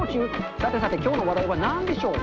さてさて、きょうの話題はなんでしょう。